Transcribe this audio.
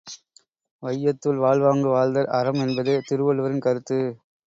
வையத்துள் வாழ்வாங்கு வாழ்தல் அறம் என்பது திருவள்ளுவரின் கருத்து.